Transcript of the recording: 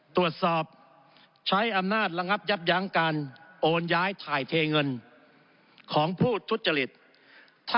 ตรวจสอบใช้อำนาจระงับยับยั้งการโอนย้ายถ่ายเทเงินของผู้ทุจริต